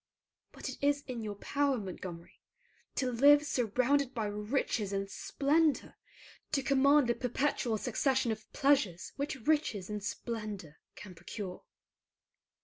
But it is in your power, Montgomery, to live surrounded by riches and splendor, to command the perpetual succession of pleasures which riches and splendor can procure.